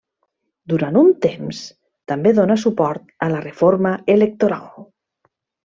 Durant un temps, també dóna suport a la reforma electoral.